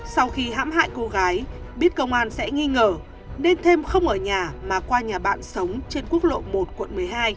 sau khi hãm hại cô gái biết công an sẽ nghi ngờ nên thêm không ở nhà mà qua nhà bạn sống trên quốc lộ một quận một mươi hai